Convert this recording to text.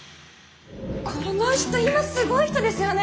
この人今すごい人ですよね？